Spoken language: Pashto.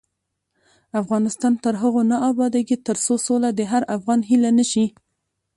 افغانستان تر هغو نه ابادیږي، ترڅو سوله د هر افغان هیله نشي.